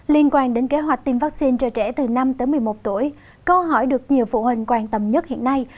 liên quan đến kế hoạch tiêm vaccine cho trẻ từ năm tới một mươi một tuổi câu hỏi được nhiều phụ huynh quan tâm nhất hiện nay